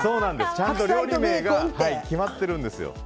ちゃんと料理名が決まっているんですね。